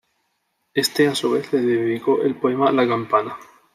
Este a su vez le dedicó el poema "La campana.